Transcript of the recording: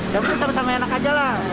yang ini sama sama enak aja lah